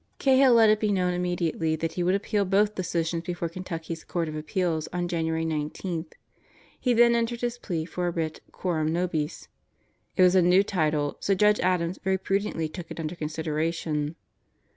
Cahill let it be known immediately that he would appeal both decisions before Kentucky's Court of Appeals on January 19. He then entered his plea for a writ cor am no bis. It was a new title, so Judge Adams very prudently took it under consideration.